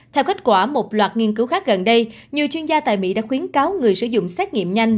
theo kết quả một loạt nghiên cứu khác gần đây nhiều chuyên gia tại mỹ đã khuyến cáo người sử dụng xét nghiệm nhanh